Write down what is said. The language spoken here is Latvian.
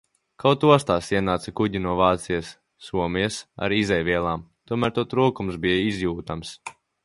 Kaut ostās ienāca kuģi no Vācijas, Somijas ar izejvielām, tomēr to trūkums bija izjūtams.